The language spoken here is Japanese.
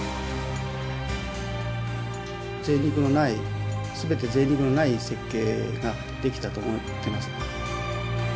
ぜい肉のない全てぜい肉のない設計ができたと思ってます。